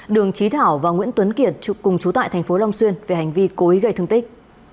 đường trí thảo và nguyễn tuấn kiệt cùng chú tại thành phố long xuyên về hành vi cố ý gây thương tích